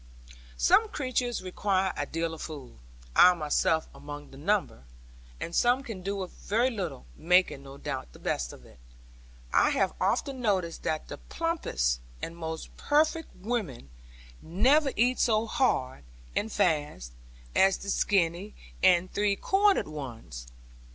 Some creatures require a deal of food (I myself among the number), and some can do with a very little; making, no doubt, the best of it. And I have often noticed that the plumpest and most perfect women never eat so hard and fast as the skinny and three cornered ones.